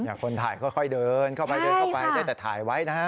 คนถ่ายค่อยเดินเข้าไปเดินเข้าไปได้แต่ถ่ายไว้นะฮะ